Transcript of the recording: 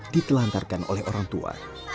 ditelantarkan oleh orang tua